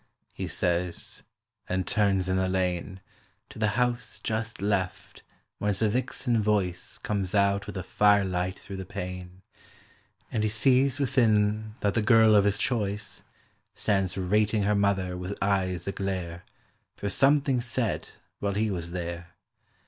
he says, and turns in the lane To the house just left, whence a vixen voice Comes out with the firelight through the pane, And he sees within that the girl of his choice Stands rating her mother with eyes aglare For something said while he was there.